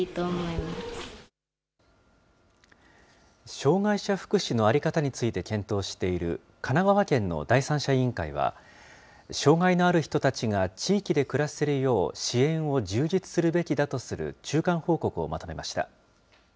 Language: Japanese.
障害者福祉の在り方について検討している、神奈川県の第三者委員会は、障害のある人たちが地域で暮らせるよう、支援を充実するべきだとする中間報告をまとめました。